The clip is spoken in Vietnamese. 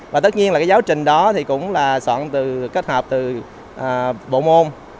và tất nhiên là giáo trình đó cũng là kết hợp từ bộ môn